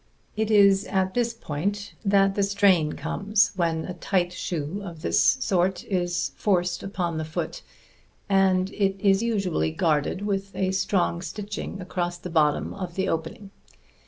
It is at this point that the strain comes when a tight shoe of this sort is forced upon the foot, and it is usually guarded with a strong stitching across the bottom of the opening.